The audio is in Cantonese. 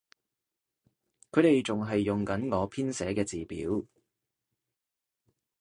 佢哋仲係用緊我編寫嘅字表